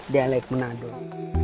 dialek menang dong